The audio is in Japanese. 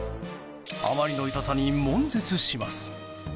あまりの痛さに悶絶します。